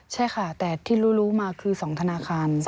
ใช่ค่ะแต่ที่รู้มาคือ๒ธนาคาร